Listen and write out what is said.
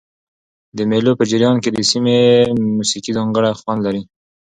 د مېلو په جریان کښي د سیمي موسیقي ځانګړی خوند لري.